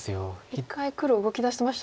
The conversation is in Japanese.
一回黒動き出しましたもんね。